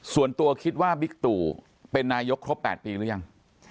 ส่วนตัวคิดว่าบิ๊กตู่เป็นนายกครบ๘ปีหรือยัง